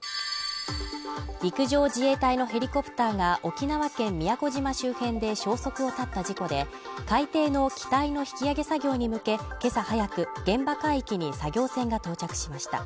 陸上自衛隊のヘリコプターが沖縄県宮古島周辺で消息を絶った事故で海底の機体の引き揚げ作業に向け、今朝早く現場海域に作業船が到着しました。